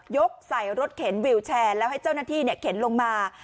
กใส่รถเข็นวิวแชร์แล้วให้เจ้าหน้าที่เข็นลงมา